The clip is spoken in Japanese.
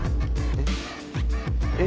えっ？